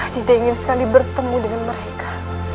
kita ingin sekali bertemu dengan mereka